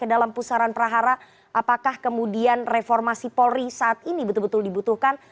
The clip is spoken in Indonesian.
dalam pusaran prahara apakah kemudian reformasi polri saat ini betul betul dibutuhkan